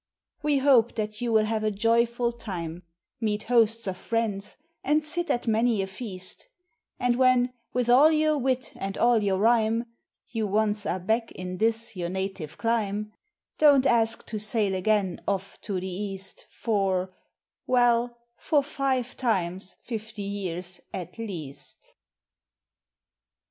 We hope that you will have a joyful time, Meet hosts of friends, and sit at many a feast; And when, with all your wit and all your rhyme, You once are back in this your native clime, Don't ask to sail again off to the East For well, for five times fifty years at least.